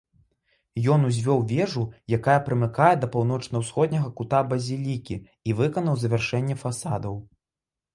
Ён узвёў вежу, якая прымыкае да паўночна-ўсходняга кута базілікі, і выканаў завяршэнне фасадаў.